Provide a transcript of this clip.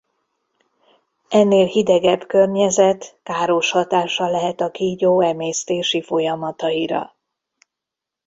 Ennél hidegebb környezet káros hatással lehet a kígyó emésztési folyamataira.